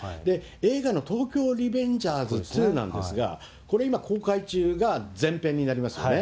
映画の東京リベンジャーズ２なんですが、これ、今公開中が前編になりますよね。